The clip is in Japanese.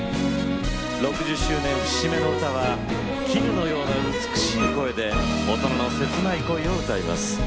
６０周年節目の歌は絹のような美しい声で大人の切ない恋を歌います。